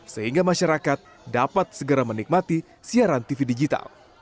sehingga masyarakat dapat segera menikmati siaran tv digital